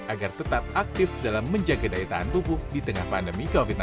agar tetap aktif dalam menjaga daya tahan tubuh di tengah pandemi covid sembilan belas